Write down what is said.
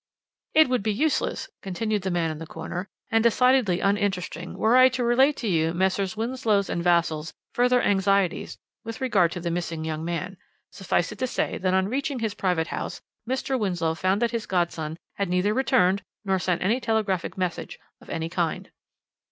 "It would be useless," continued the man in the corner, "and decidedly uninteresting, were I to relate to you Messrs. Winslow's and Vassall's further anxieties with regard to the missing young man. Suffice it to say that on reaching his private house Mr. Winslow found that his godson had neither returned nor sent any telegraphic message of any kind.